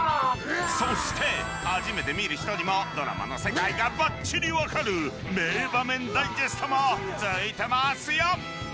そして初めて見る人にもドラマの世界がバッチリ分かる名場面ダイジェストもついてますよ！